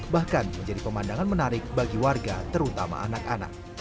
bahkan menjadi pemandangan menarik bagi warga terutama anak anak